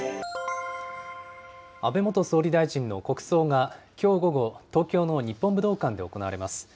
安倍元総理大臣の国葬が、きょう午後、東京の日本武道館で行われます。